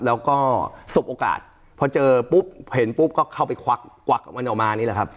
แล้วก็สบโอกาสพอเจอปุ๊บเห็นปุ๊บก็เข้าไปควักกวักมันออกมานี่แหละครับ